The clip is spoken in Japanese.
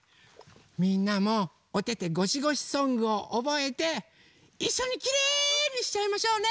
みんなもおててごしごしソングをおぼえていっしょにきれいにしちゃいましょうね！